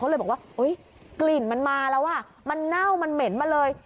เลยบอกว่ากลิ่นมันมาแล้วอ่ะมันเน่ามันเหม็นมาเลย